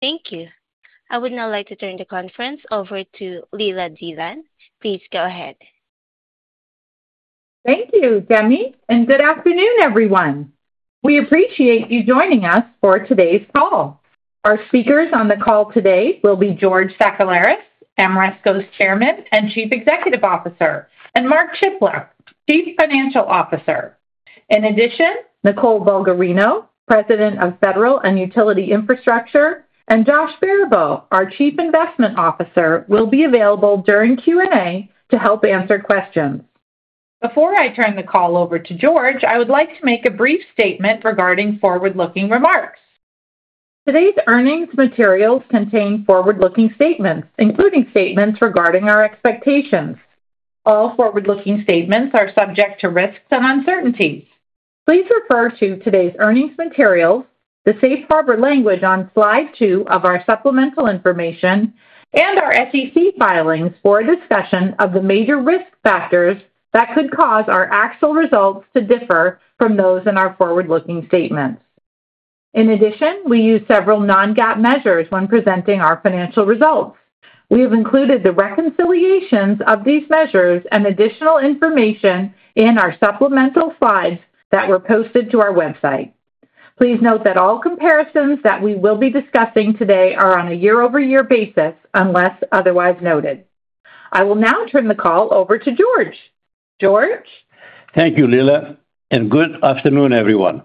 Thank you. I would now like to turn the conference over to Leila Dillon. Please go ahead. Thank you, Demi, and good afternoon, everyone. We appreciate you joining us for today's call. Our speakers on the call today will be George Sakellaris, Ameresco's Chairman and Chief Executive Officer, and Mark Chiplock, Chief Financial Officer. In addition, Nicole Bulgarino, President of Federal and Utility Infrastructure, and Joshua Baribeau, our Chief Investment Officer, will be available during Q&A to help answer questions. Before I turn the call over to George, I would like to make a brief statement regarding forward-looking remarks. Today's earnings materials contain forward-looking statements, including statements regarding our expectations. All forward-looking statements are subject to risks and uncertainties. Please refer to today's earnings material, the safe harbor language on slide two of our supplemental information, and our SEC filings for a discussion of the major risk factors that could cause our actual results to differ from those in our forward-looking statements. In addition, we use several non-GAAP measures when presenting our financial results. We have included the reconciliations of these measures and additional information in our supplemental slides that were posted to our website. Please note that all comparisons that we will be discussing today are on a year-over-year basis unless otherwise noted. I will now turn the call over to George. George. Thank you, Leila, and good afternoon, everyone.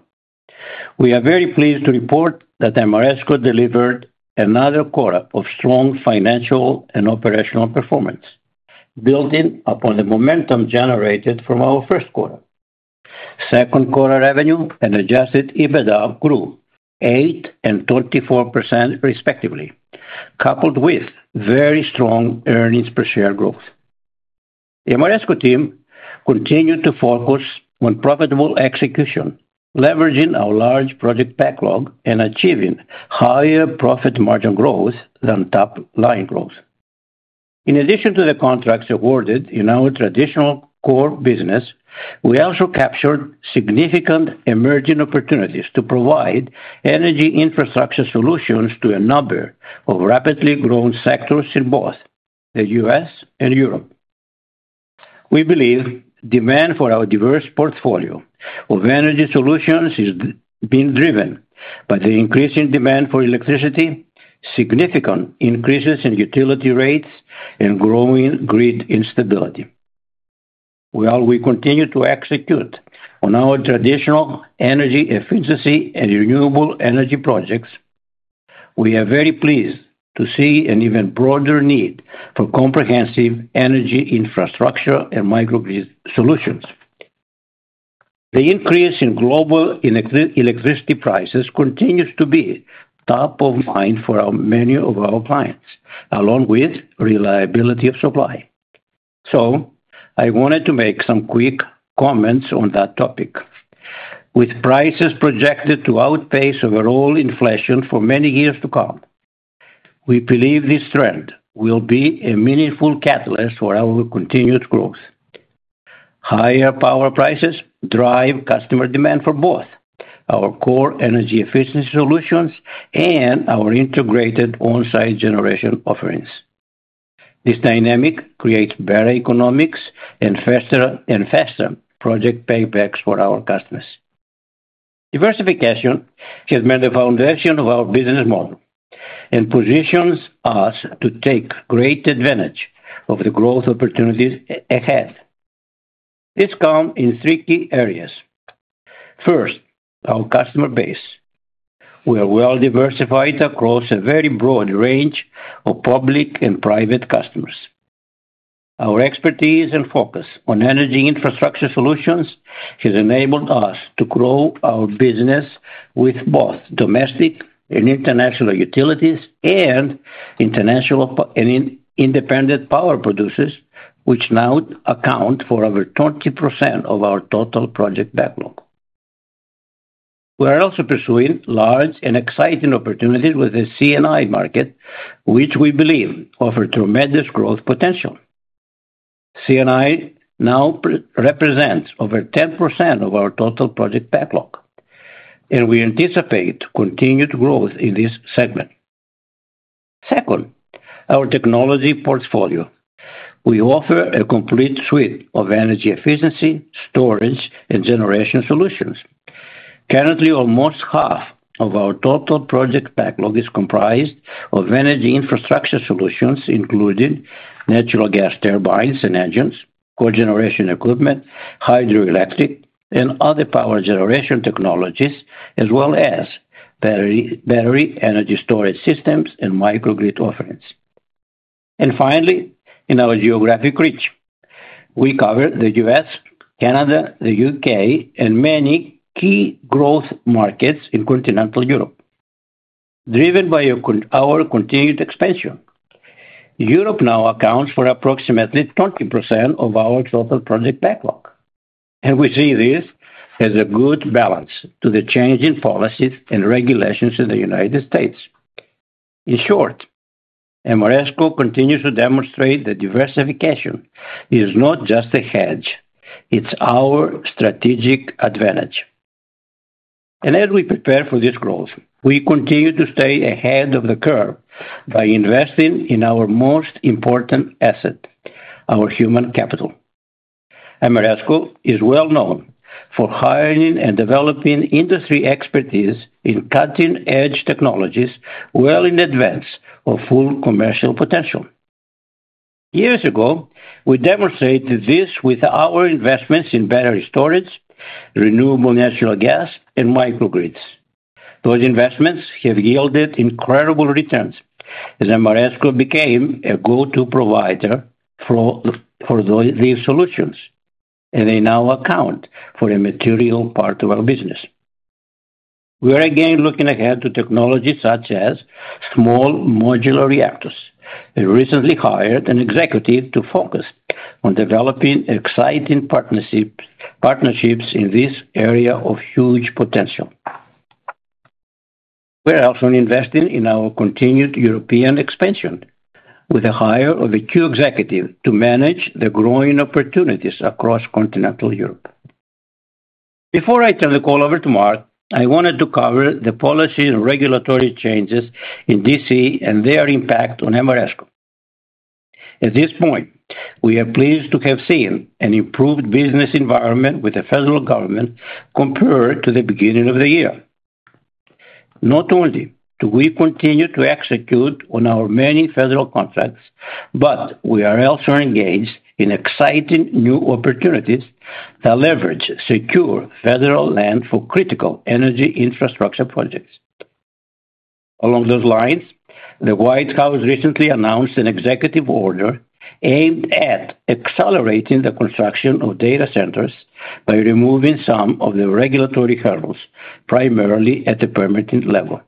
We are very pleased to report that Ameresco delivered another quarter of strong financial and operational performance, building upon the momentum generated from our first quarter. Second quarter revenue and adjusted EBITDA grew 8% and 24% respectively, coupled with very strong earnings per share growth. The Ameresco team continued to focus on profitable execution, leveraging our large project backlog and achieving higher profit margin growth than top line growth. In addition to the contracts awarded in our traditional core business, we also captured significant emerging opportunities to provide energy infrastructure solutions to a number of rapidly growing sectors in both the U.S. and Europe. We believe demand for our diverse portfolio of energy solutions is being driven by the increasing demand for electricity, significant increases in utility rates, and growing grid instability. While we continue to execute on our traditional energy efficiency and renewable energy projects, we are very pleased to see an even broader need for comprehensive energy infrastructure and microgrid solutions. The increase in global electricity prices continues to be top of mind for many of our clients, along with reliability of supply. I wanted to make some quick comments on that topic. With prices projected to outpace overall inflation for many years to come, we believe this trend will be a meaningful catalyst for our continued growth. Higher power prices drive customer demand for both our core energy efficiency solutions and our integrated on-site generation offerings. This dynamic creates better economics and faster project paybacks for our customers. Diversification has been the foundation of our business model and positions us to take great advantage of the growth opportunities ahead. This comes in three key areas. First, our customer base. We are well-diversified across a very broad range of public and private customers. Our expertise and focus on energy infrastructure solutions have enabled us to grow our business with both domestic and international utilities and international and independent power producers, which now account for over 20% of our total project backlog. We are also pursuing large and exciting opportunities with the CNI market, which we believe offers tremendous growth potential. CNI now represents over 10% of our total project backlog, and we anticipate continued growth in this segment. Second, our technology portfolio. We offer a complete suite of energy efficiency, storage, and generation solutions. Currently, almost half of our total project backlog is comprised of energy infrastructure solutions, including natural gas turbines and engines, cogeneration equipment, hydroelectric, and other power generation technologies, as well as battery energy storage systems and microgrid offerings. Finally, in our geographic reach, we cover the U.S., Canada, the U.K., and many key growth markets in continental Europe. Driven by our continued expansion, Europe now accounts for approximately 20% of our total project backlog. We see this as a good balance to the changing policies and regulations in the U.S. In short, Ameresco continues to demonstrate that diversification is not just a hedge, it's our strategic advantage. As we prepare for this growth, we continue to stay ahead of the curve by investing in our most important asset, our human capital. Ameresco is well known for hiring and developing industry expertise in cutting-edge technologies well in advance of full commercial potential. Years ago, we demonstrated this with our investments in battery storage, renewable natural gas, and microgrids. Those investments have yielded incredible returns, as Ameresco became a go-to provider for these solutions, and they now account for a material part of our business. We are again looking ahead to technologies such as small modular reactors. We recently hired an executive to focus on developing exciting partnerships in this area of huge potential. We're also investing in our continued European expansion with the hire of a key executive to manage the growing opportunities across continental Europe. Before I turn the call over to Mark, I wanted to cover the policy and regulatory changes in D.C. and their impact on Ameresco. At this point, we are pleased to have seen an improved business environment with the federal government compared to the beginning of the year. Not only do we continue to execute on our many federal contracts, we are also engaged in exciting new opportunities that leverage secure federal land for critical energy infrastructure projects. Along those lines, the White House recently announced an executive order aimed at accelerating the construction of data centers by removing some of the regulatory hurdles, primarily at the permitting level.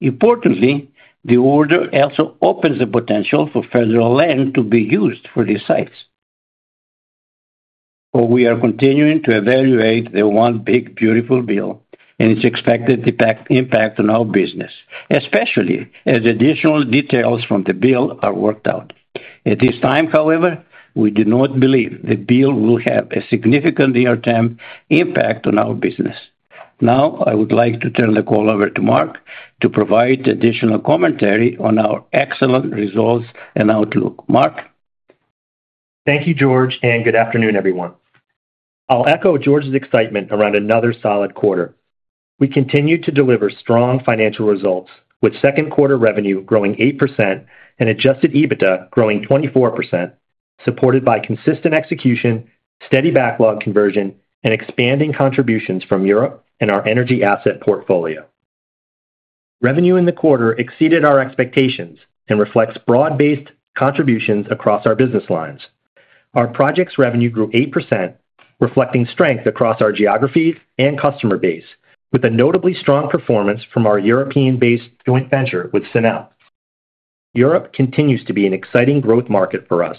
Importantly, the order also opens the potential for federal land to be used for these sites. We are continuing to evaluate the One Big Beautiful Bill and its expected impact on our business, especially as additional details from the bill are worked out. At this time, however, we do not believe the bill will have a significant near-term impact on our business. Now, I would like to turn the call over to Mark to provide additional commentary on our excellent results and outlook. Mark. Thank you, George, and good afternoon, everyone. I'll echo George's excitement around another solid quarter. We continue to deliver strong financial results, with second quarter revenue growing 8% and adjusted EBITDA growing 24%, supported by consistent execution, steady backlog conversion, and expanding contributions from Europe and our energy asset portfolio. Revenue in the quarter exceeded our expectations and reflects broad-based contributions across our business lines. Our projects' revenue grew 8%, reflecting strength across our geographies and customer base, with a notably strong performance from our European-based joint venture with Sunel. Europe continues to be an exciting growth market for us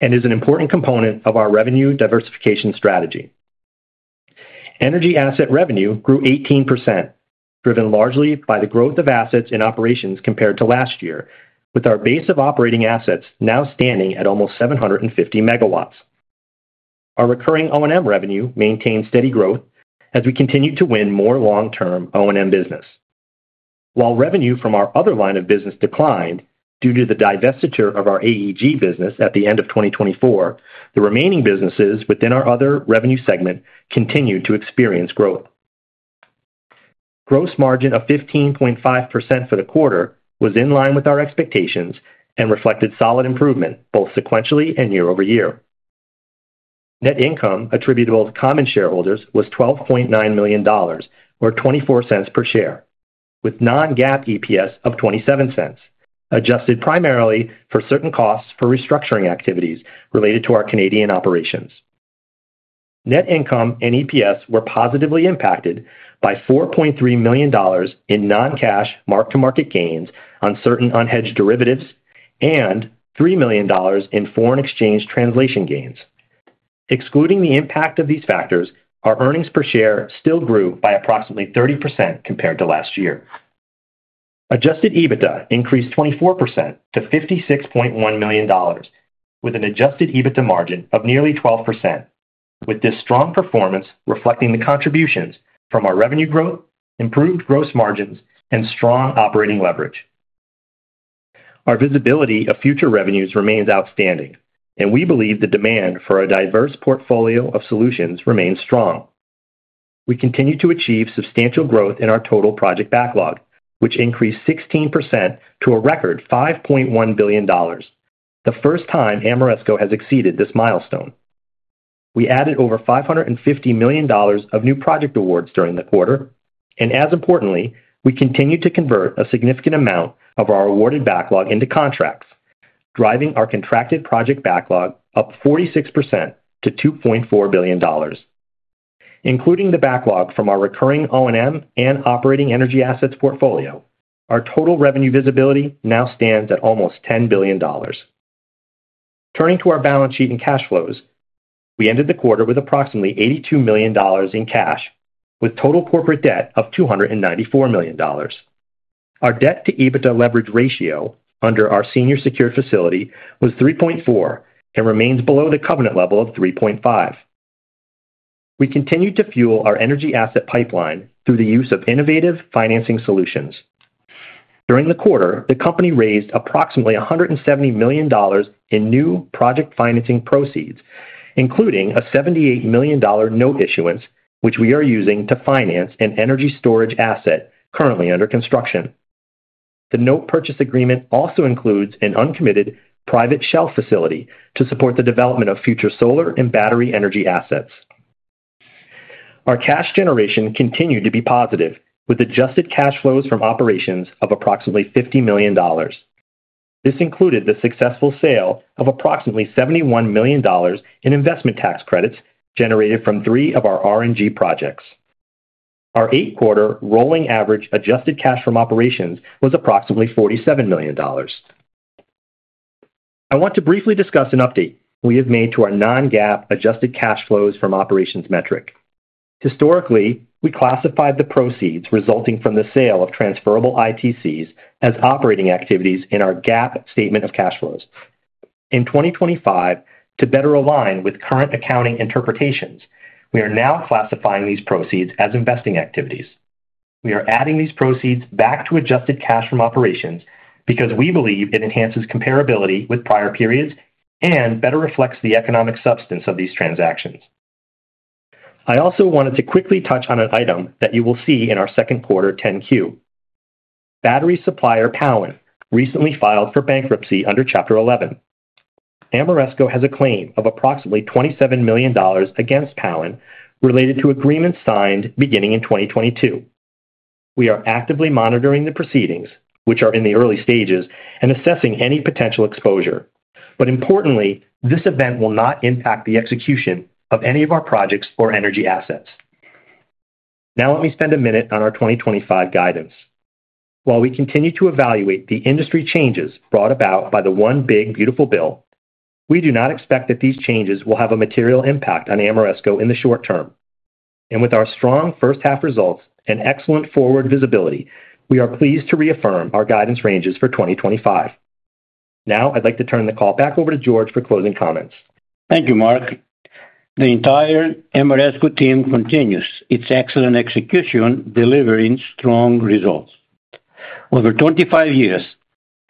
and is an important component of our revenue diversification strategy. Energy asset revenue grew 18%, driven largely by the growth of assets in operations compared to last year, with our base of operating assets now standing at almost 750 MW. Our recurring O&M revenue maintained steady growth as we continued to win more long-term O&M business. While revenue from our other line of business declined due to the divestiture of our AEG business at the end of 2024, the remaining businesses within our other revenue segment continued to experience growth. Gross margin of 15.5% for the quarter was in line with our expectations and reflected solid improvement both sequentially and year-over-year. Net income attributable to common shareholders was $12.9 million, or $0.24 per share, with non-GAAP EPS of $0.27, adjusted primarily for certain costs for restructuring activities related to our Canadian operations. Net income and EPS were positively impacted by $4.3 million in non-cash mark-to-market gains on certain unhedged derivatives and $3 million in foreign exchange translation gains. Excluding the impact of these factors, our earnings per share still grew by approximately 30% compared to last year. Adjusted EBITDA increased 24% to $56.1 million, with an adjusted EBITDA margin of nearly 12%. With this strong performance reflecting the contributions from our revenue growth, improved gross margins, and strong operating leverage, our visibility of future revenues remains outstanding, and we believe the demand for a diverse portfolio of solutions remains strong. We continue to achieve substantial growth in our total project backlog, which increased 16% to a record $5.1 billion, the first time Ameresco has exceeded this milestone. We added over $550 million of new project awards during the quarter, and as importantly, we continued to convert a significant amount of our awarded backlog into contracts, driving our contracted project backlog up 46% to $2.4 billion. Including the backlog from our recurring O&M and operating energy assets portfolio, our total revenue visibility now stands at almost $10 billion. Turning to our balance sheet and cash flows, we ended the quarter with approximately $82 million in cash, with total corporate debt of $294 million. Our debt-to-EBITDA leverage ratio under our senior secured facility was 3.4% and remains below the covenant level of 3.5%. We continued to fuel our energy asset pipeline through the use of innovative financing solutions. During the quarter, the company raised approximately $170 million in new project financing proceeds, including a $78 million note issuance, which we are using to finance an energy storage asset currently under construction. The note purchase agreement also includes an uncommitted private shelf facility to support the development of future solar and battery energy assets. Our cash generation continued to be positive, with adjusted cash flows from operations of approximately $50 million. This included the successful sale of approximately $71 million in investment tax credits generated from three of our RNG projects. Our eight-quarter rolling average adjusted cash from operations was approximately $47 million. I want to briefly discuss an update we have made to our non-GAAP adjusted cash flows from operations metric. Historically, we classified the proceeds resulting from the sale of transferable ITCs as operating activities in our GAAP statement of cash flows. In 2025, to better align with current accounting interpretations, we are now classifying these proceeds as investing activities. We are adding these proceeds back to adjusted cash from operations because we believe it enhances comparability with prior periods and better reflects the economic substance of these transactions. I also wanted to quickly touch on an item that you will see in our second quarter 10-Q. Battery supplier Powen recently filed for bankruptcy under Chapter 11. Ameresco has a claim of approximately $27 million against Powen related to agreements signed beginning in 2022. We are actively monitoring the proceedings, which are in the early stages, and assessing any potential exposure. Importantly, this event will not impact the execution of any of our projects or energy assets. Now, let me spend a minute on our 2025 guidance. While we continue to evaluate the industry changes brought about by the One Big Beautiful Bill, we do not expect that these changes will have a material impact on Ameresco in the short term. With our strong first-half results and excellent forward visibility, we are pleased to reaffirm our guidance ranges for 2025. Now, I'd like to turn the call back over to George for closing comments. Thank you, Mark. The entire Ameresco team continues its excellent execution, delivering strong results. Over 25 years,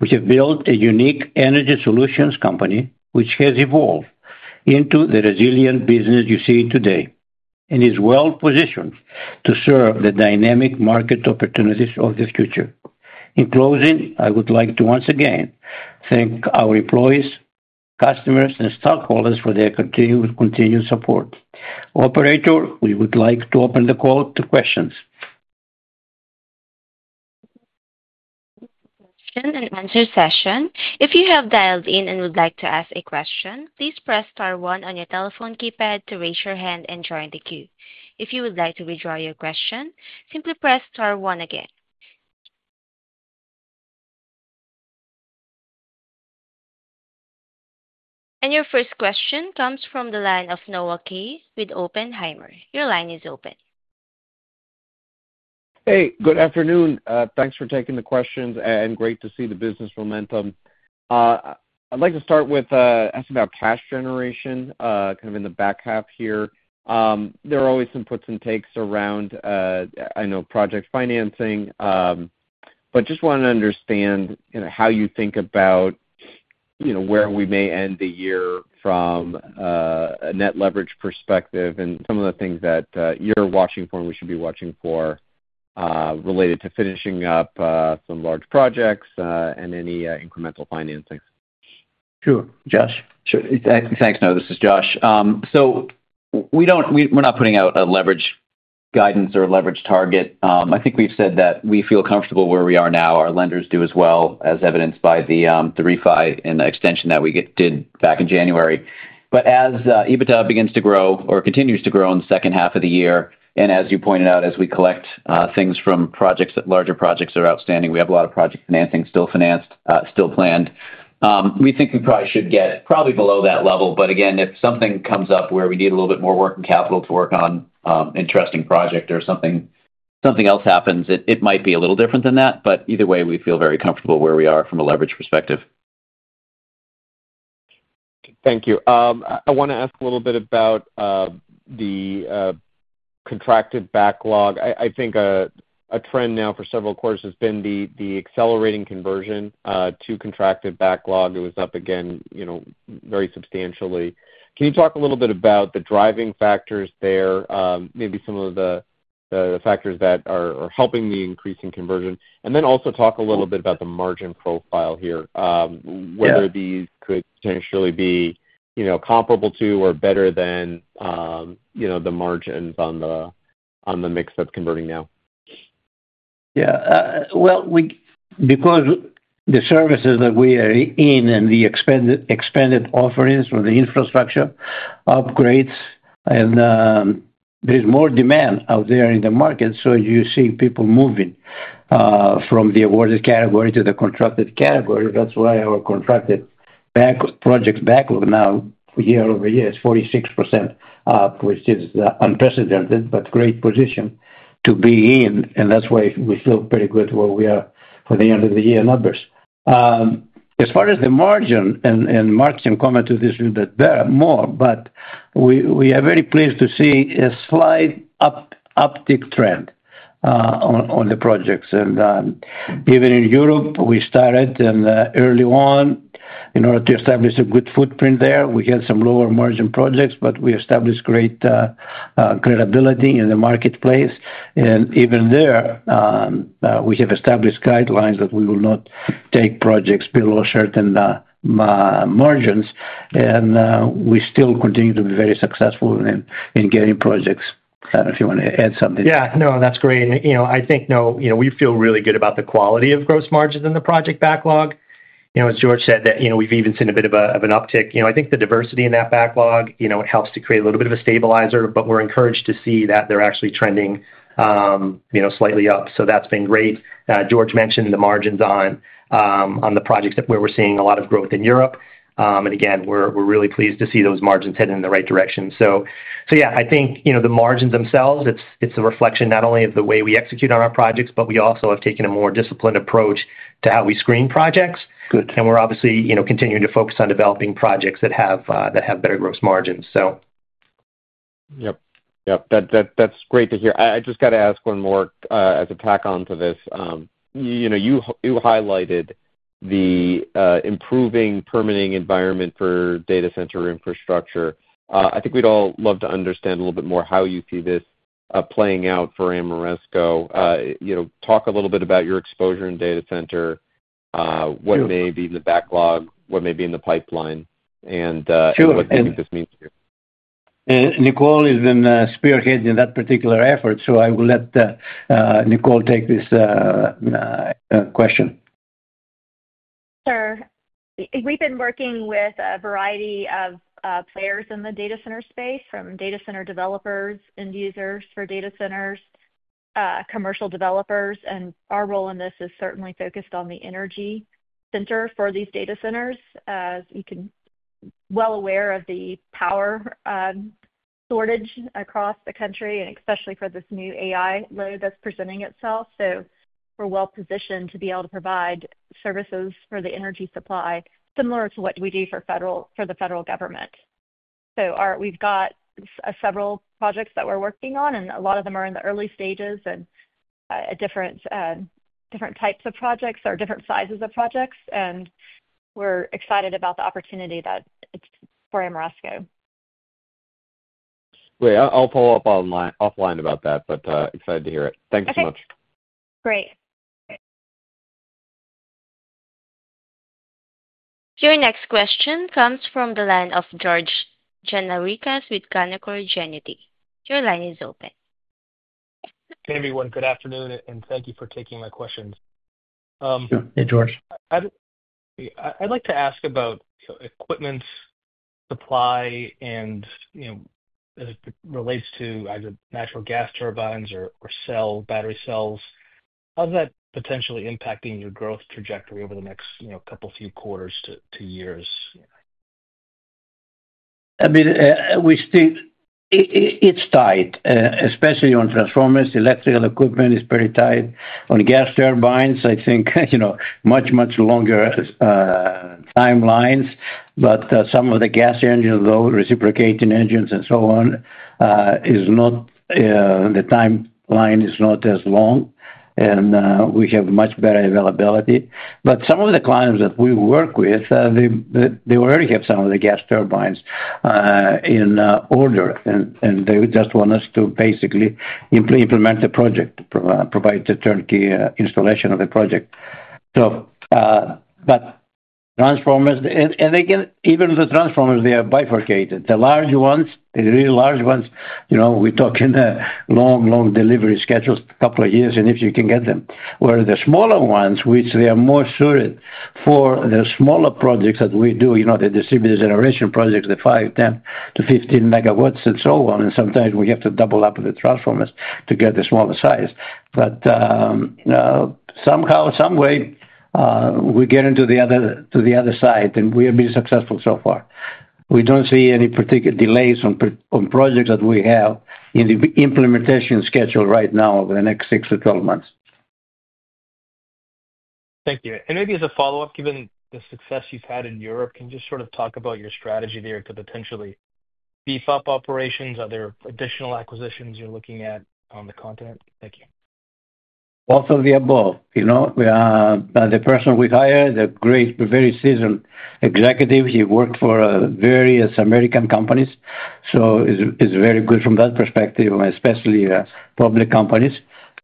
we have built a unique energy solutions company which has evolved into the resilient business you see today and is well-positioned to serve the dynamic market opportunities of the future. In closing, I would like to once again thank our employees, customers, and stockholders for their continued support. Operator, we would like to open the call to questions. question-and-answer session. If you have dialed in and would like to ask a question, please press star one on your telephone keypad to raise your hand and join the queue. If you would like to withdraw your question, simply press star one again. Your first question comes from the line of Noah Duke Kaye with Oppenheimer & Co. Inc. Your line is open. Hey, good afternoon. Thanks for taking the questions and great to see the business momentum. I'd like to start with asking about cash generation kind of in the back half here. There are always some puts and takes around, I know, project financing, just want to understand how you think about where we may end the year from a net leverage perspective and some of the things that you're watching for and we should be watching for related to finishing up some large projects and any incremental financing. Sure. Josh. Thanks. No, this is Josh. We're not putting out a leverage guidance or a leverage target. I think we've said that we feel comfortable where we are now. Our lenders do as well, as evidenced by the 3-5 and the extension that we did back in January. As EBITDA begins to grow or continues to grow in the second half of the year, and as you pointed out, as we collect things from projects that larger projects are outstanding, we have a lot of project financing still planned. We think we probably should get probably below that level. If something comes up where we need a little bit more working capital to work on an interesting project or something else happens, it might be a little different than that. Either way, we feel very comfortable where we are from a leverage perspective. Thank you. I want to ask a little bit about the contracted backlog. I think a trend now for several quarters has been the accelerating conversion to contracted backlog. It was up again very substantially. Can you talk a little bit about the driving factors there, maybe some of the factors that are helping the increase in conversion, and then also talk a little bit about the margin profile here, whether these could potentially be comparable to or better than the margins on the mix that's converting now. Yeah. Because the services that we are in and the expanded offerings for the infrastructure upgrades, there's more demand out there in the market, so you see people moving from the awarded category to the contracted category. That's why our contracted projects backlog now, year-over-year, is 46% up, which is unprecedented, but a great position to be in. That's why we feel pretty good where we are at the end of the year numbers. As far as the margin, and Mark can comment to this a little bit better, but we are very pleased to see a slight uptick trend on the projects. Even in Europe, we started early on in order to establish a good footprint there. We had some lower margin projects, but we established great credibility in the marketplace. Even there, we have established guidelines that we will not take projects below certain margins. We still continue to be very successful in getting projects. I don't know if you want to add something. Yeah, no, that's great. I think we feel really good about the quality of gross margins in the project backlog. As George said, we've even seen a bit of an uptick. I think the diversity in that backlog helps to create a little bit of a stabilizer, but we're encouraged to see that they're actually trending slightly up. That's been great. George mentioned the margins on the projects where we're seeing a lot of growth in Europe, and again, we're really pleased to see those margins heading in the right direction. I think the margins themselves, it's a reflection not only of the way we execute on our projects, but we also have taken a more disciplined approach to how we screen projects. We're obviously continuing to focus on developing projects that have better gross margins. Yep. Yep. That's great to hear. I just got to ask one more as a tack on to this. You highlighted the improving permitting environment for data center infrastructure. I think we'd all love to understand a little bit more how you see this playing out for Ameresco. Talk a little bit about your exposure in data center, what may be in the backlog, what may be in the pipeline, and what do you think this means to you? Nicole has been spearheading that particular effort, so I will let Nicole take this question. Sure. We've been working with a variety of players in the data center space, from data center developers, end users for data centers, commercial developers. Our role in this is certainly focused on the energy center for these data centers. As you can be well aware of the power shortage across the country, especially for this new AI load that's presenting itself, we're well positioned to be able to provide services for the energy supply, similar to what we do for the federal government. We've got several projects that we're working on, and a lot of them are in the early stages and different types of projects or different sizes of projects. We're excited about the opportunity for Ameresco. Great. I'll follow up offline about that, excited to hear it. Thanks so much. Great. Your next question comes from the line of George Gianarikas with Canaccord Genuity Corp. Your line is open. Hey, everyone. Good afternoon, and thank you for taking my questions. Sure. Hey, George. I'd like to ask about equipment supply as it relates to either natural gas turbines or battery cells. How's that potentially impacting your growth trajectory over the next couple of quarters to years? I mean, it's tight, especially on transformers. Electrical equipment is very tight. On gas turbines, I think, you know, much, much longer timelines. Some of the gas engines, though, reciprocating engines and so on, the timeline is not as long, and we have much better availability. Some of the clients that we work with already have some of the gas turbines in order, and they just want us to basically implement the project, provide the turnkey installation of the project. Transformers, and again, even the transformers, they are bifurcated. The large ones, the really large ones, you know, we're talking long, long delivery schedules, a couple of years and if you can get them. The smaller ones, which are more suited for the smaller projects that we do, the distributed generation projects, the 5 MW, 10 MW-15 MW and so on. Sometimes we have to double up on the transformers to get the smaller size. Somehow, some way, we get into the other side, and we have been successful so far. We don't see any particular delays on projects that we have in the implementation schedule right now over the next 6 to 12 months. Thank you. Maybe as a follow-up, given the success you've had in Europe, can you just sort of talk about your strategy there to potentially beef up operations? Are there additional acquisitions you're looking at on the continent? Thank you. Also, we have both. The person we hired, the great, very seasoned executive, he worked for various American companies, so it's very good from that perspective, and especially public companies.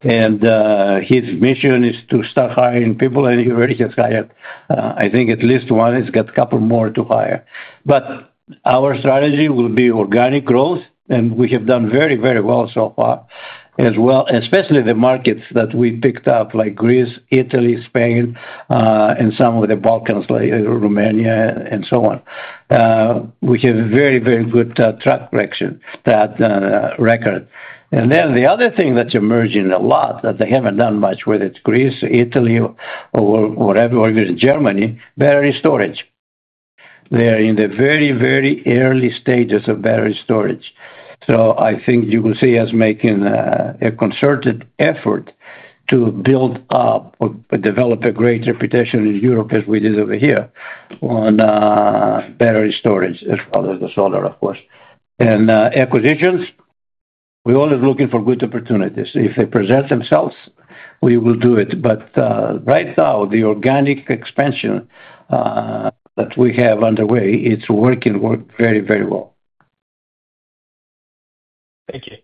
His mission is to start hiring people, and he already has hired, I think, at least one. He's got a couple more to hire. Our strategy will be organic growth, and we have done very, very well so far as well, especially in the markets that we picked up, like Greece, Italy, Spain, and some of the Balkans, like Romania and so on. We have a very, very good track record. The other thing that's emerging a lot that they haven't done much with is battery storage in Greece, Italy, or wherever it is, Germany. They are in the very, very early stages of battery storage. I think you will see us making a concerted effort to build up or develop a great reputation in Europe as we did over here on battery storage, as well as solar, of course. Acquisitions, we're always looking for good opportunities. If they present themselves, we will do it. Right now, the organic expansion that we have underway, it's working very, very well. Thank you.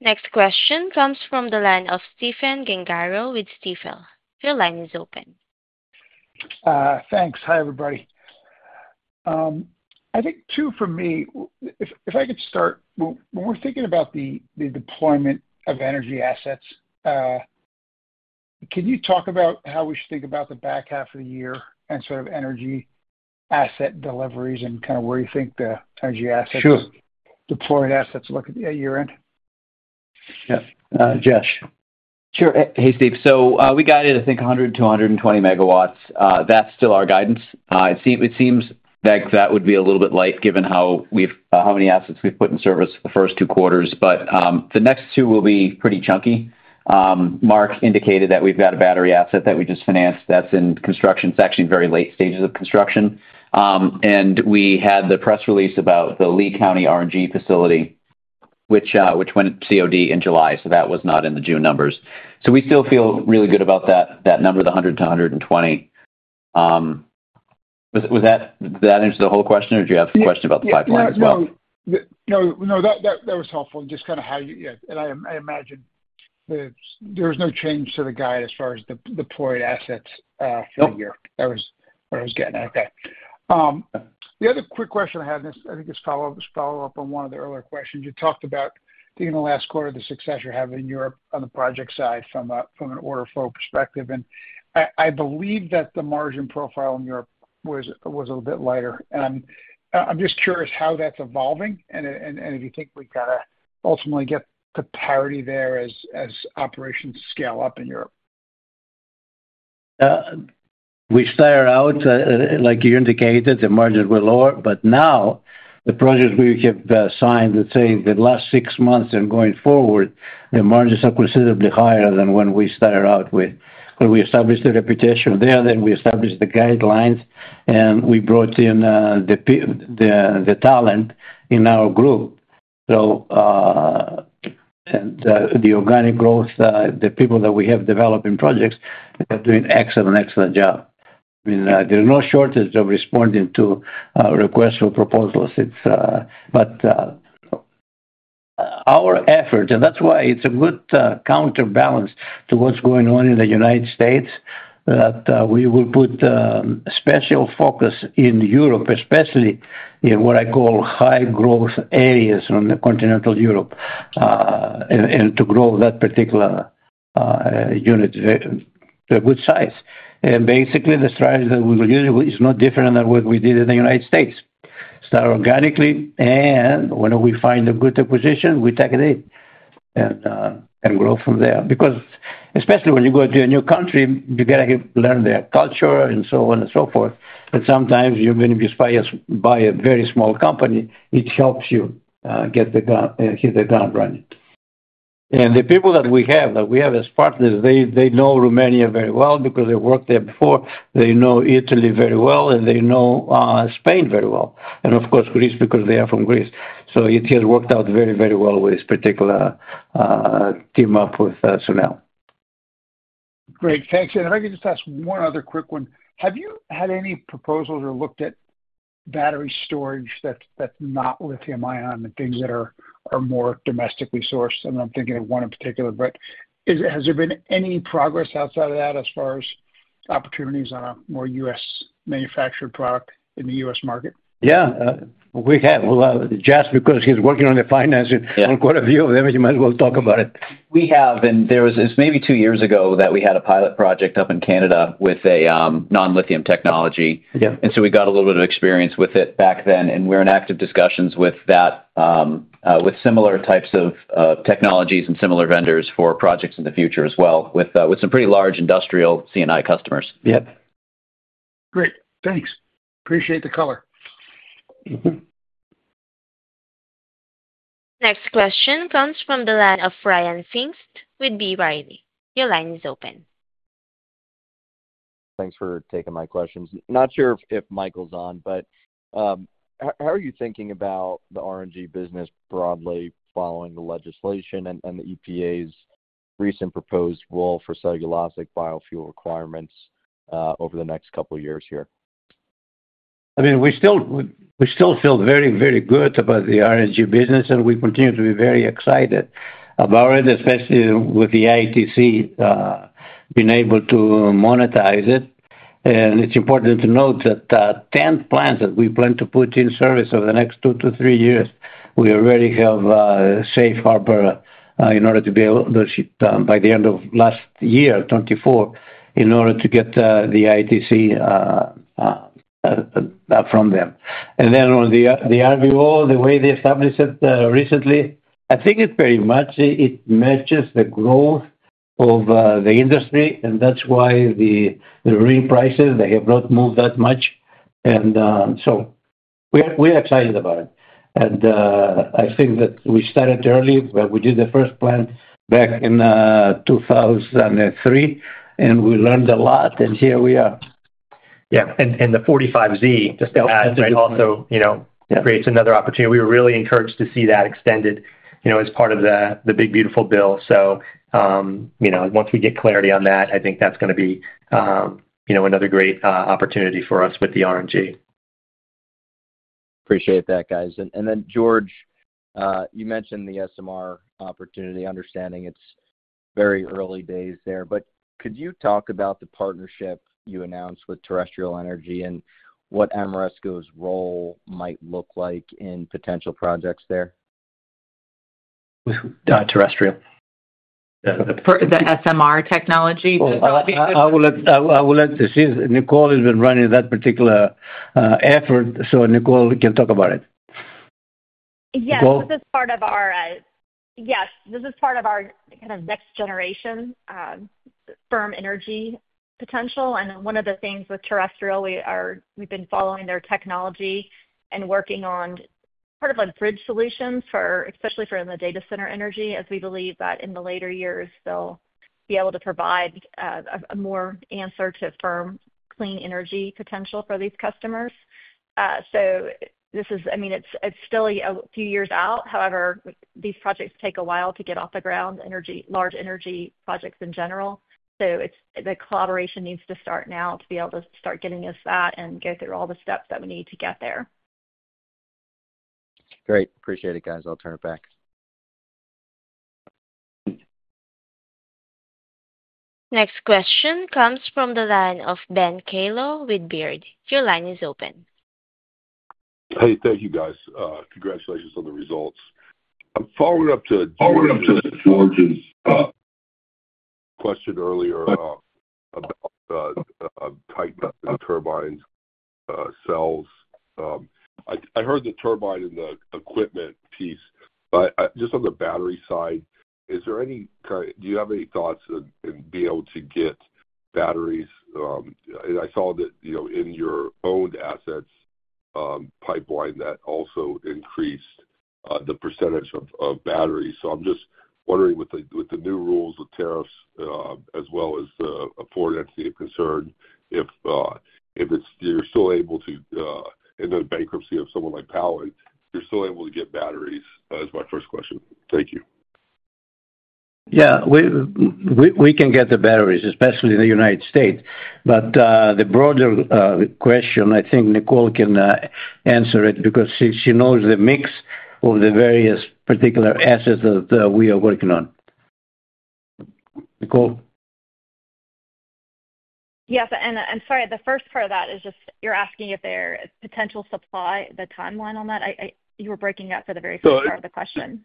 Next question comes from the line of Stephen David Gengaro with Stifel. Your line is open. Thanks. Hi, everybody. I think two from me. If I could start, when we're thinking about the deployment of energy assets, can you talk about how we should think about the back half of the year and sort of energy asset deliveries, and kind of where you think the energy assets, deployment assets look at year-end? Yeah. Josh. Sure. Hey, Steve. We guided, I think, 100 MW-120 MW. That's still our guidance. It seems like that would be a little bit light given how many assets we've put in service for the first two quarters, but the next two will be pretty chunky. Mark indicated that we've got a battery asset that we just financed that's in construction. It's actually in very late stages of construction. We had the press release about the Lee County renewable natural gas facility, which went COD in July, so that was not in the June numbers. We still feel really good about that number, the 100 MW-120 MW. Was that the answer to the whole question, or do you have a question about the pipeline as well? No, no, that was helpful. Just kind of how you, yeah, and I imagine there was no change to the guide as far as the deployed assets for the year. I was getting at that. The other quick question I have, and I think it's a follow-up on one of the earlier questions. You talked about, in the last quarter, the success you're having in Europe on the project side from an order flow perspective. I believe that the margin profile in Europe was a little bit lighter. I'm just curious how that's evolving and if you think we've got to ultimately get to parity there as operations scale up in Europe. We started out, like you indicated, the margins were lower, but now the projects we have signed, let's say the last six months and going forward, the margins are considerably higher than when we started out with. We established the reputation there, then we established the guidelines, and we brought in the talent in our group. The organic growth, the people that we have developed in projects are doing an excellent, excellent job. I mean, there's no shortage of responding to requests or proposals. Our efforts, and that's why it's a good counterbalance to what's going on in the U.S., that we will put a special focus in Europe, especially in what I call high-growth areas in continental Europe, and to grow that particular unit to a good size. Basically, the strategy that we will use is not different than what we did in the U.S. Start organically, and when we find a good acquisition, we take it in and grow from there. Especially when you go to a new country, you got to learn their culture and so on and so forth. Sometimes even if you buy a very small company, it helps you hit the ground running. The people that we have, that we have as partners, they know Romania very well because they worked there before. They know Italy very well, and they know Spain very well. Of course, Greece, because they are from Greece. It has worked out very, very well with this particular team up with Sunel. Great. Thanks. If I could just ask one other quick one, have you had any proposals or looked at battery storage that's not lithium-ion and things that are more domestically sourced? I'm thinking of one in particular, but has there been any progress outside of that as far as opportunities on a more U.S.-manufactured product in the U.S. market? Yeah, we have. Josh, because he's working on the financing, I'll quote a view of the image, and then we'll talk about it. We have, and it was maybe two years ago that we had a pilot project up in Canada with a non-lithium technology. We got a little bit of experience with it back then, and we're in active discussions with that, with similar types of technologies and similar vendors for projects in the future as well, with some pretty large industrial C&I customers. Yep. Great. Thanks. Appreciate the color. Next question comes from the line of Ryan James Pfingst with B. Riley Securities. Your line is open. Thanks for taking my questions. Not sure if Michael's on, but how are you thinking about the RNG business broadly following the legislation and the EPA's recent proposed role for cellulosic biofuel requirements over the next couple of years here? I mean, we still feel very, very good about the renewable natural gas business, and we continue to be very excited about it, especially with the ITC being able to monetize it. It's important to note that 10 plants that we plan to put in service over the next two to three years, we already have a safe harbor in order to be able to, by the end of last year, 2024, in order to get the ITC from them. On the RVO, the way they established it recently, I think it very much matches the growth of the industry, which is why the renewable identification number prices have not moved that much. We're excited about it. I think that we started early. We did the first plant back in 2003, and we learned a lot, and here we are. Yeah. The 45Z, just to add, which also creates another opportunity. We were really encouraged to see that extended as part of the One Big Beautiful Bill. Once we get clarity on that, I think that's going to be another great opportunity for us with the renewable natural gas. Appreciate that, guys. George, you mentioned the SMR opportunity, understanding it's very early days there. Could you talk about the partnership you announced with Terrestrial Energy and what Ameresco's role might look like in potential projects there? Terrestrial. The SMR technology. Since Nicole has been running that particular effort, Nicole can talk about it. Yes, this is part of our next-generation firm energy potential. One of the things with Terrestrial, we've been following their technology and working on part of a bridge solution, especially for in the data center energy, as we believe that in the later years, they'll be able to provide a more answer to firm clean energy potential for these customers. This is still a few years out. However, these projects take a while to get off the ground, large energy projects in general. The collaboration needs to start now to be able to start getting us that and go through all the steps that we need to get there. Great. Appreciate it, guys. I'll turn it back. Next question comes from the line of Benjamin Joseph Kallo with Robert W. Baird & Co. Incorporated. Your line is open. Hey, thank you, guys. Congratulations on the results. I'm following up to George's question earlier about the type of the turbine cells. I heard the turbine and the equipment piece, but just on the battery side, is there any kind of... Do you have any thoughts in being able to get batteries? I saw that, you know, in your owned assets pipeline, that also increased the percent of batteries. I'm just wondering, with the new rules with tariffs, as well as the foreign entity of concern, if you're still able to, in the bankruptcy of someone like Powen, if you're still able to get batteries. That was my first question. Thank you. Yeah, we can get the batteries, especially in the U.S. The broader question, I think Nicole can answer it because she knows the mix of the various particular assets that we are working on. Nicole? Yes, sorry, the first part of that is just you're asking if there's potential supply, the timeline on that. You were breaking up for the very first part of the question.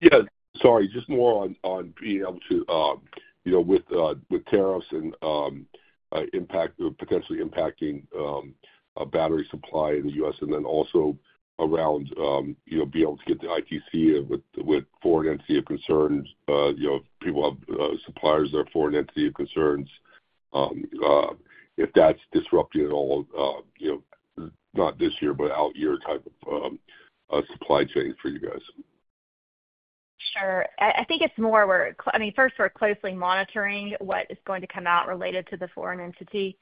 Yeah, sorry. Just more on being able to, you know, with tariffs and impact potentially impacting battery supply in the U.S., and then also around, you know, being able to get the ITC with foreign entity of concern. People have suppliers of their foreign entity of concerns. If that's disrupted at all, you know, not this year, but out-year type of supply chain for you guys. Sure. I think it's more where, I mean, first, we're closely monitoring what is going to come out related to the foreign entity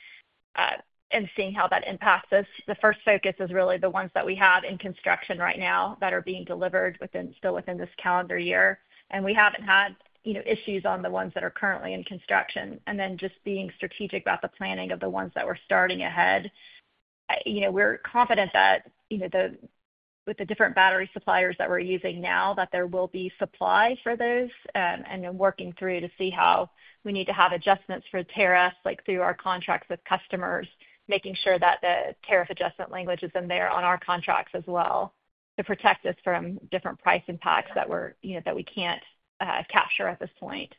and seeing how that impacts us. The first focus is really the ones that we have in construction right now that are being delivered still within this calendar year. We haven't had issues on the ones that are currently in construction. Just being strategic about the planning of the ones that we're starting ahead. We're confident that, with the different battery suppliers that we're using now, there will be supply for those. I'm working through to see how we need to have adjustments for tariffs, like through our contracts with customers, making sure that the tariff adjustment language is in there on our contracts as well to protect us from different price impacts that we can't capture at this point.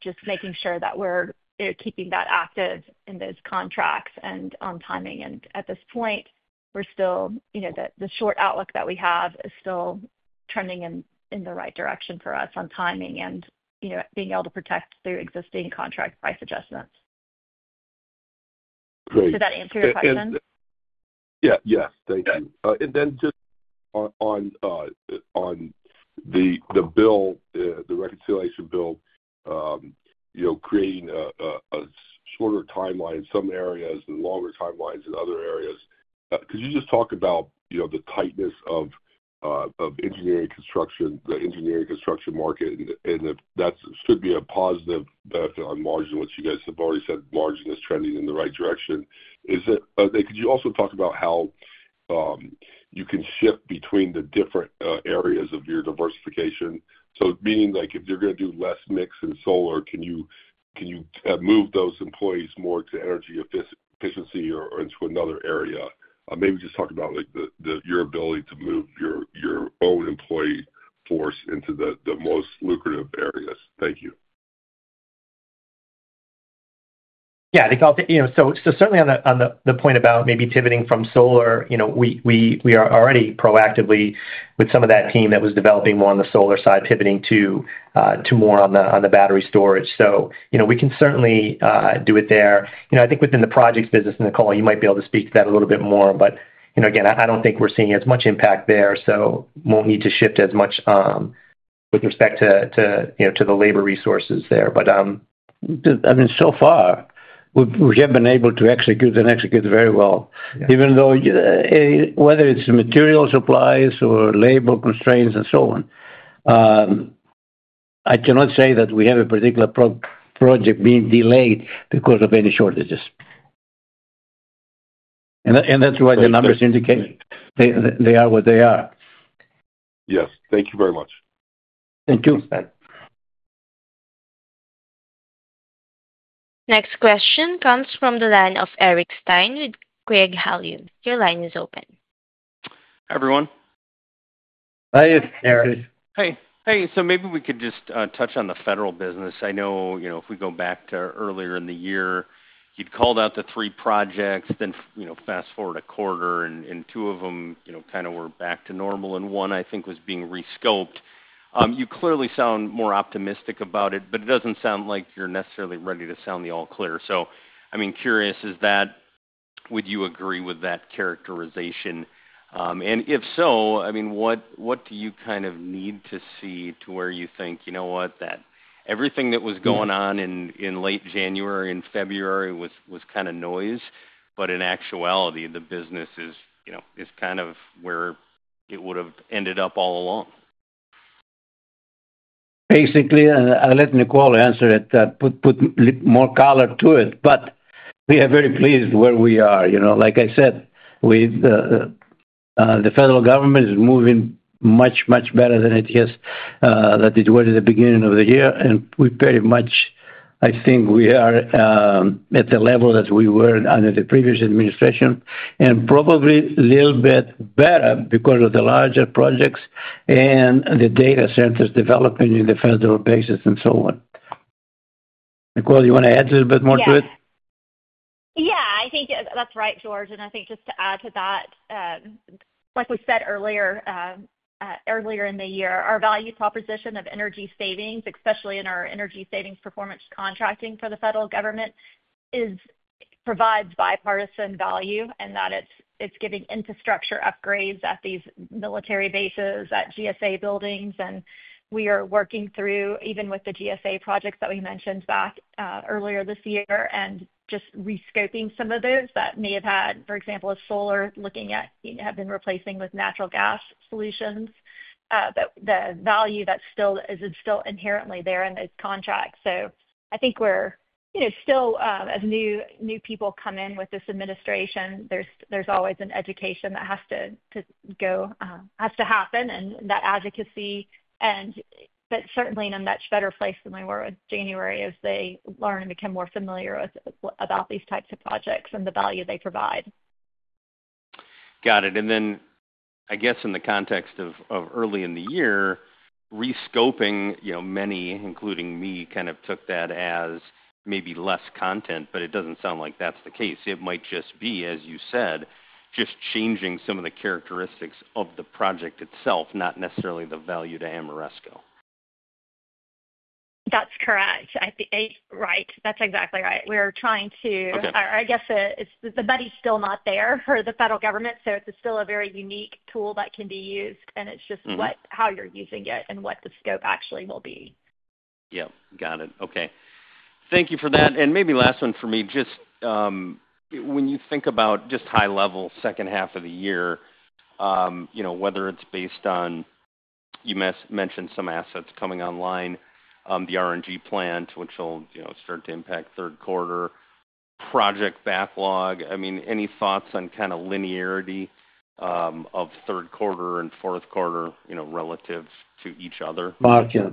Just making sure that we're keeping that active in those contracts and on timing. At this point, the short outlook that we have is still trending in the right direction for us on timing and being able to protect through existing contract price adjustments. Does that answer your question? Thank you. On the bill, the reconciliation bill, you know, creating a shorter timeline in some areas and longer timelines in other areas. Could you just talk about the tightness of engineering construction, the engineering construction market, and that should be a positive benefit on margin, which you guys have already said margin is trending in the right direction. Could you also talk about how you can shift between the different areas of your diversification? Meaning like if you're going to do less mix in solar, can you move those employees more to energy efficiency or into another area? Maybe just talk about your ability to move your own employee force into the most lucrative areas. Thank you. Yeah, I think I'll take, you know, certainly on the point about maybe pivoting from solar, we are already proactively with some of that team that was developing more on the solar side, pivoting to more on the battery storage. We can certainly do it there. I think within the projects business in the call, you might be able to speak to that a little bit more, but again, I don't think we're seeing as much impact there, so we won't need to shift as much with respect to the labor resources there. I mean, so far, we have been able to execute and execute very well, even though whether it's material supplies or labor constraints and so on, I cannot say that we have a particular project being delayed because of any shortages. That's why the numbers indicate they are what they are. Yes, thank you very much. Thank you. Next question comes from the line of Eric Stine with Craig-Hallum Capital Group LLC. Your line is open. Hi, everyone. Hi, Eric. Hey. Maybe we could just touch on the federal business. I know, if we go back to earlier in the year, you'd called out the three projects, then you fast forward a quarter, and two of them kind of were back to normal, and one, I think, was being rescoped. You clearly sound more optimistic about it, but it doesn't sound like you're necessarily ready to sound the all-clear. I'm curious, would you agree with that characterization? If so, what do you kind of need to see to where you think everything that was going on in late January and February was kind of noise, but in actuality, the business is kind of where it would have ended up all along? Basically, I'll let Nicole answer it, put more color to it. We are very pleased where we are. You know, like I said, the federal government is moving much, much better than it was at the beginning of the year. We pretty much, I think we are at the level that we were under the previous administration, and probably a little bit better because of the larger projects and the data centers developing in the federal basis and so on. Nicole, you want to add a little bit more to it? Yeah, I think that's right, George. I think just to add to that, like we said earlier in the year, our value proposition of energy savings, especially in our energy savings performance contracting for the federal government, provides bipartisan value in that it's giving infrastructure upgrades at these military bases, at GSA buildings. We are working through, even with the GSA projects that we mentioned back earlier this year, just rescoping some of those that may have had, for example, a solar looking at, have been replacing with natural gas solutions. The value that's still is still inherently there in the contract. I think we're still, as new people come in with this administration, there's always an education that has to go, has to happen, and that advocacy. Certainly in a much better place than we were in January as they learn and become more familiar about these types of projects and the value they provide. Got it. I guess in the context of early in the year, rescoping, you know, many, including me, kind of took that as maybe less content, but it doesn't sound like that's the case. It might just be, as you said, just changing some of the characteristics of the project itself, not necessarily the value to Ameresco. That's correct. That's exactly right. We are trying to, I guess the money's still not there for the federal government, so it's still a very unique tool that can be used, and it's just how you're using it and what the scope actually will be. Got it. Okay. Thank you for that. Maybe last one for me, just when you think about just high-level second half of the year, whether it's based on, you mentioned some assets coming online, the renewable natural gas plan, which will start to impact third quarter, project backlog. Any thoughts on kind of linearity of third quarter and fourth quarter, you know, relative to each other? Mark here.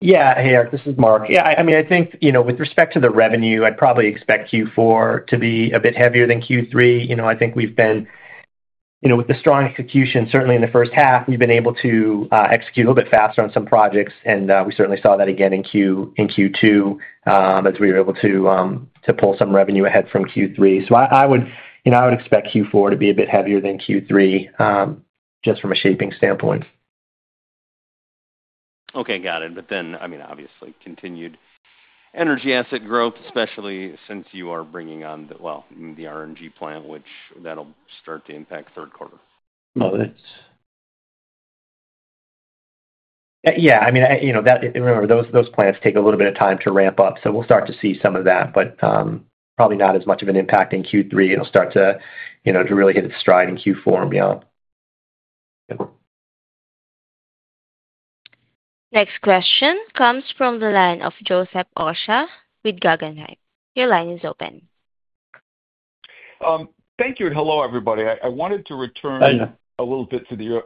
Yeah. Hey, Eric. This is Mark. I think, you know, with respect to the revenue, I'd probably expect Q4 to be a bit heavier than Q3. I think we've been, with the strong execution, certainly in the first half, we've been able to execute a little bit faster on some projects, and we certainly saw that again in Q2 as we were able to pull some revenue ahead from Q3. I would expect Q4 to be a bit heavier than Q3 just from a shaping standpoint. Okay. Got it. Obviously, continued energy asset growth, especially since you are bringing on the, well, the renewable natural gas plant, which that'll start to impact third quarter. Yeah, remember, those plants take a little bit of time to ramp up. We'll start to see some of that, but probably not as much of an impact in Q3. It'll start to really hit its stride in Q4 and beyond. Next question comes from the line of Joseph Amil Osha with Guggenheim Securities, Inc. Your line is open. Thank you. Hello, everybody. I wanted to return a little bit to the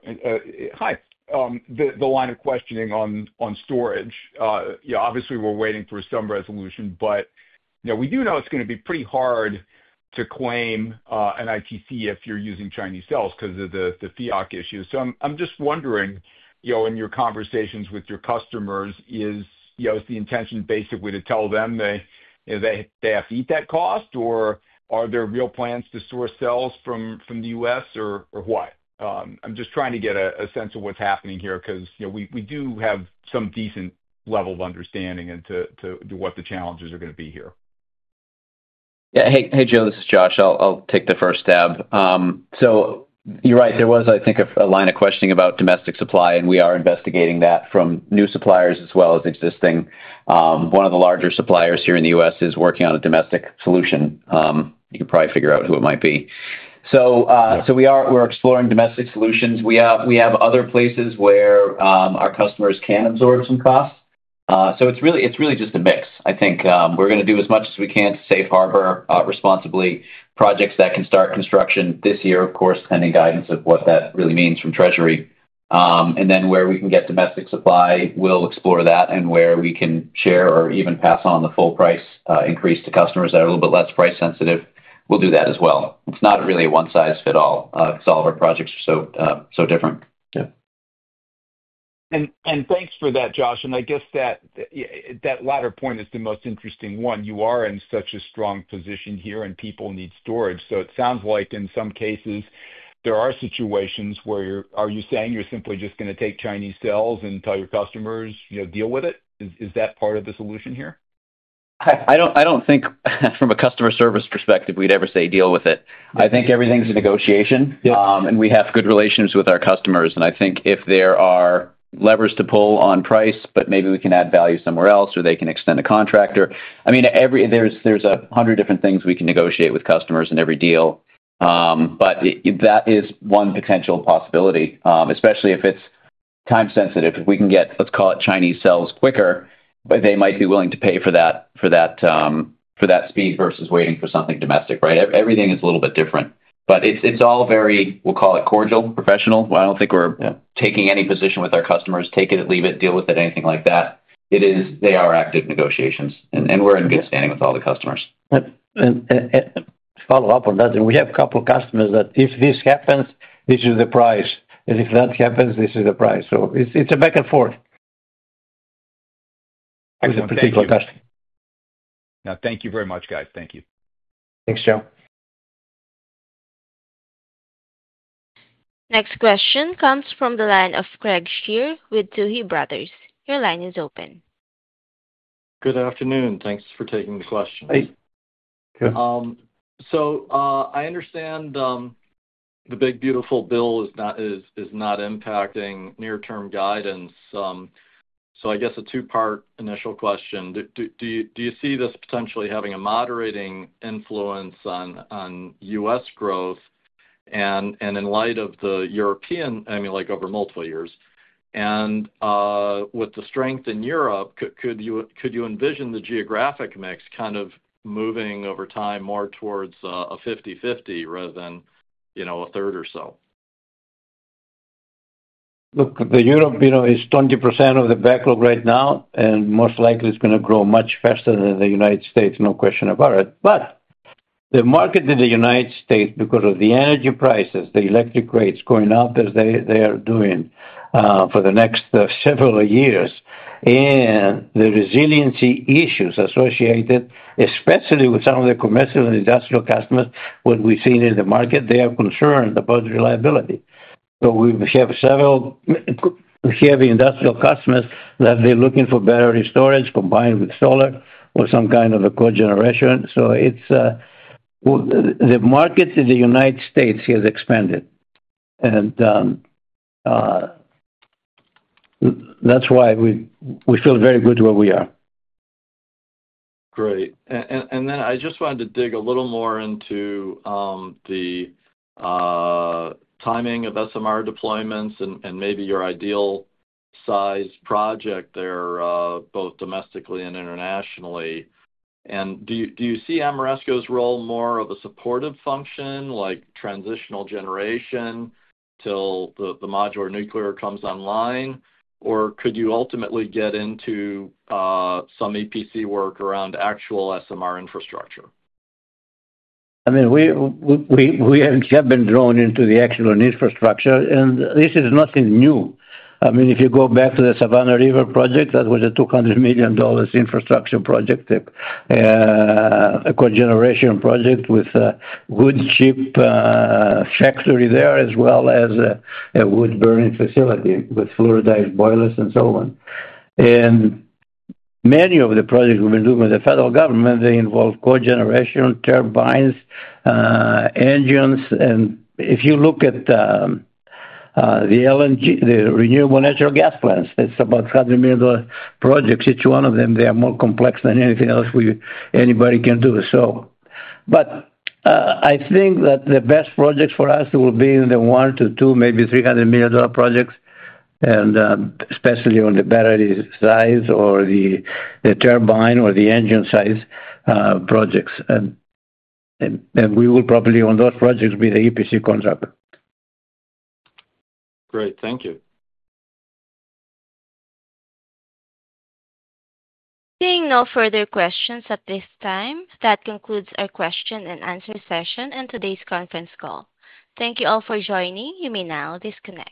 line of questioning on storage. Obviously, we're waiting for some resolution, but we do know it's going to be pretty hard to claim an ITC if you're using Chinese cells because of the fiat issue. I'm just wondering, in your conversations with your customers, is the intention basically to tell them that they have to eat that cost, or are there real plans to source cells from the U.S. or what? I'm just trying to get a sense of what's happening here because we do have some decent level of understanding as to what the challenges are going to be here. Yeah. Hey, Joe. This is Josh. I'll take the first stab. You're right. There was, I think, a line of questioning about domestic supply, and we are investigating that from new suppliers as well as existing. One of the larger suppliers here in the U.S. is working on a domestic solution. You can probably figure out who it might be. We are exploring domestic solutions. We have other places where our customers can absorb some costs. It's really just a mix. I think we're going to do as much as we can to safe harbor responsibly projects that can start construction this year, of course, pending guidance of what that really means from Treasury. Where we can get domestic supply, we'll explore that, and where we can share or even pass on the full price increase to customers that are a little bit less price-sensitive, we'll do that as well. It's not really a one-size-fits-all. All of our projects are so different. Thank you for that, Josh. I guess that latter point is the most interesting one. You are in such a strong position here and people need storage. It sounds like in some cases, there are situations where you're, are you saying you're simply just going to take Chinese cells and tell your customers, you know, deal with it? Is that part of the solution here? I don't think from a customer service perspective, we'd ever say deal with it. I think everything's a negotiation, and we have good relations with our customers. I think if there are levers to pull on price, maybe we can add value somewhere else or they can extend a contractor. There are 100 different things we can negotiate with customers in every deal. That is one potential possibility, especially if it's time-sensitive. If we can get, let's call it, Chinese cells quicker, they might be willing to pay for that speed versus waiting for something domestic, right? Everything is a little bit different. It's all very, we'll call it cordial, professional. I don't think we're taking any position with our customers, take it, leave it, deal with it, anything like that. They are active negotiations, and we're in good standing with all the customers. To follow up on that, we have a couple of customers that if this happens, this is the price. If that happens, this is the price. It's a back and forth. Excellent. Thank you very much, guys. Thank you. Thanks, Joe. Next question comes from the line of Craig Kenneth Shere with Tuohy Brothers Investment Research. Your line is open. Good afternoon. Thanks for taking the question. Hey. I understand the One Big Beautiful Bill is not impacting near-term guidance. I guess a two-part initial question. Do you see this potentially having a moderating influence on U.S. growth? In light of the European, I mean, like over multiple years, and with the strength in Europe, could you envision the geographic mix kind of moving over time more towards a 50/50 rather than, you know, a third or so? Look, Europe is 20% of the backlog right now, and most likely it's going to grow much faster than the U.S., no question about it. The market in the U.S., because of the energy prices, the electric rates going up as they are doing for the next several years, and the resiliency issues associated, especially with some of the commercial and industrial customers, what we've seen in the market, they are concerned about reliability. We have several heavy industrial customers that are looking for battery storage combined with solar or some kind of a cogeneration. The markets in the U.S. have expanded. That's why we feel very good where we are. Great. I just wanted to dig a little more into the timing of SMR deployments and maybe your ideal size project there, both domestically and internationally. Do you see Ameresco's role more of a supportive function, like transitional generation until the modular nuclear comes online? Could you ultimately get into some EPC work around actual SMR infrastructure? I mean, we have been drawn into the actual infrastructure, and this is nothing new. I mean, if you go back to the Savannah River project, that was a $200 million infrastructure project, a cogeneration project with a wood chip factory there, as well as a wood burning facility with fluoride boilers and so on. Many of the projects we've been doing with the federal government involve cogeneration turbines, engines. If you look at the renewable natural gas plants, it's about a $100 million project. Each one of them, they are more complex than anything else anybody can do. I think that the best projects for us will be in the $100 million-$200 million, maybe $300 million projects, especially on the battery size or the turbine or the engine size projects. We will probably, on those projects, be the EPC contractor. Great. Thank you. Seeing no further questions at this time, that concludes our question-and-answer session and today's conference call. Thank you all for joining. You may now disconnect.